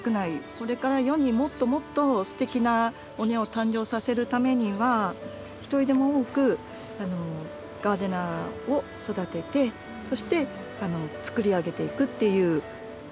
これから世にもっともっとすてきなお庭を誕生させるためには一人でも多くガーデナーを育ててそしてつくり上げていくっていう。